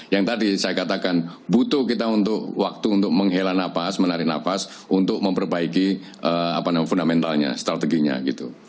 yang tadi saya katakan butuh kita untuk waktu untuk menghela nafas menarik nafas untuk memperbaiki fundamentalnya strateginya gitu